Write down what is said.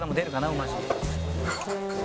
“うまし”」